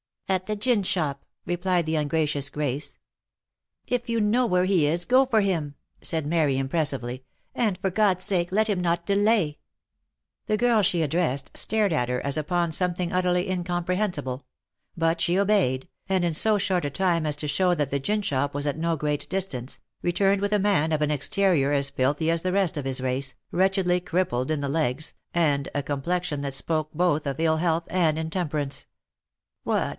?' At the gin shop," replied the ungracious Grace. " If you know where he is, go for him," said Mary, impressively, " and for God's sake let him not delay !" The girl she addressed stared at her as upon something utterly in comprehensible : but she obeyed, and, in so short a time as to show that the gin shop was at no great distance, returned with a man of an exterior as filthy as the rest of his race, wretchedly crippled in the legs, and a complexion that spoke both of ill health, and intemperance. " What